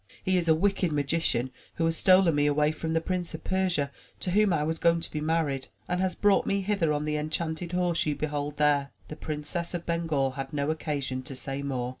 He is a wicked magician who has stolen me away from the Prince of Persia to whom I was going to be married, and has brought me hither on the enchanted horse you behold there/' The Princess of Bengal had no occasion to say more.